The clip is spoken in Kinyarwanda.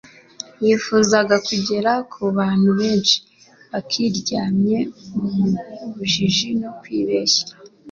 Yifuzaga kugera ku bantu benshi, bakiryamye mu bujiji no kwibeshya.